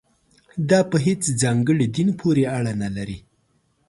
دا په هېڅ ځانګړي دین پورې اړه نه لري.